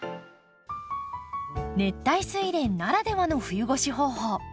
熱帯スイレンならではの冬越し方法。